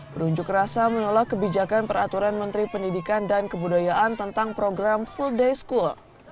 berunjuk rasa menolak kebijakan peraturan menteri pendidikan dan kebudayaan tentang program full day school